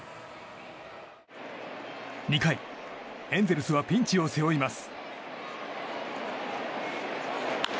２回、エンゼルスはピンチを背負います。